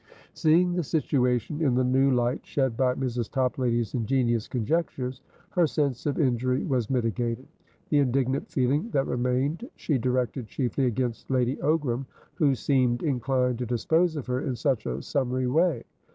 Seeing the situation in the new light shed by Mrs. Toplady's ingenious conjectures, her sense of injury was mitigated; the indignant feeling that remained she directed chiefly against Lady Ogram, who seemed inclined to dispose of her in such a summary way.